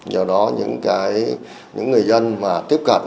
do đó những người dân mà tiếp cận